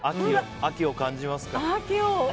秋を感じますか？